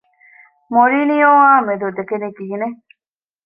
މޮރިީނިއޯއާ މެދު ދެކެނީ ކިހިނެއް؟